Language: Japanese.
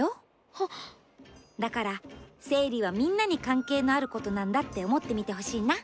だから、生理はみんなに関係のあることなんだって思って見てほしいな。